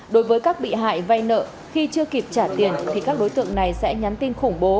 đối với các bị hại vay nợ khi chưa kịp trả tiền thì các đối tượng này sẽ nhắn tin khủng bố